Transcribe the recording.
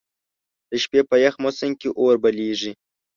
د شپې په یخ موسم کې اور بليږي.